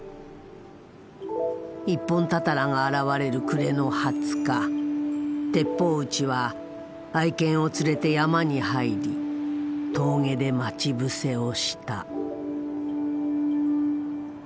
一本たたらが現れる暮れの２０日鉄砲撃ちは愛犬を連れて山に入り峠で待ち伏せをした。